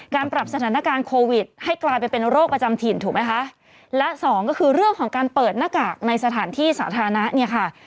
ปรับสถานการณ์โควิดให้กลายเป็นโรคประจำถิ่นถูกไหมคะและสองก็คือเรื่องของการเปิดหน้ากากในสถานที่สาธารณะเนี่ยค่ะ